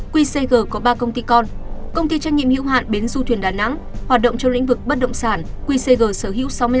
qcg có ba công ty con công ty trách nhiệm hữu hạn bến du thuyền đà nẵng hoạt động trong lĩnh vực bất động sản qcg sở hữu sáu mươi tám